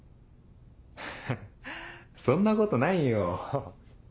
フッフそんなことないよ。